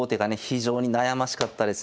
非常に悩ましかったですね。